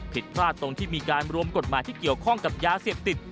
ผิดพลาดตรงที่มีการรวมกฎหมายที่เกี่ยวข้องกับยาเสพติด